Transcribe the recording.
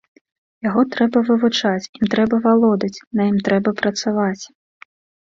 Яго трэба вывучаць, ім трэба валодаць, на ім трэба працаваць.